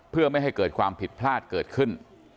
เพื่อไม่ให้เกิดความผิดพลาดเกิดขึ้น